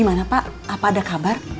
kenapa lah kak